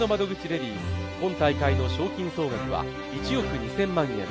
レディース今大会の賞金総額は１億２０００万円。